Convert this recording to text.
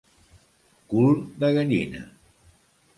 Cul de gallina.